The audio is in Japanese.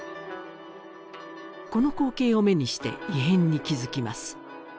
この光景を目にして異変に気づきます